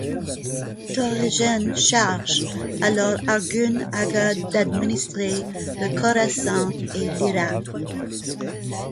Töregene charge alors Arghun agha d’administrer le Khorasan et l’Irak.